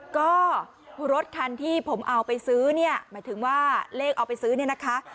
ก็รถคันที่ผมเอาไปซื้อเนี่ยหมายถึงว่าเลขเอาไปซื้อเนี่ยนะคะ